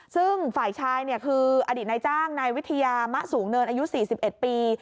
ซึ่งฝ่ายชายคืออดีตในจ้างนายวิทยามะสูงเนินอายุสี่สิบเอ็ดปี